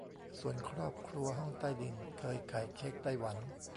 ส่วนครอบครัวห้องใต้ดิน เคยขายเค้กไต้หวัน